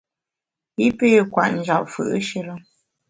I pé kwet njap fù’shire.